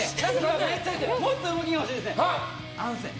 もっと動きが欲しいですね。